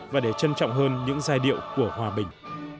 và để trân trọng hơn những giai điệu của hòa bình